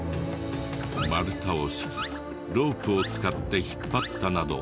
丸太を敷きロープを使って引っ張ったなど